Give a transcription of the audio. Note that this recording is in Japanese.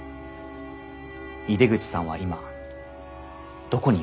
井出口さんは今どこにいますか？